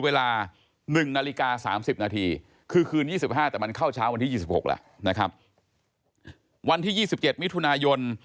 วันที่๒๗มิถุนายน